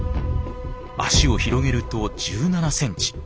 脚を広げると１７センチ。